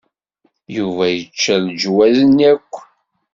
Yuba yečča leǧwaz-nni akk?